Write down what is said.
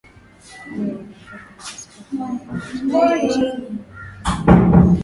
huyo kuonekana alihusikaHawa viongozi wanatunga sheria wanazodhani zitawabana na kuwashughulikia wapinzani yakiwakuta wao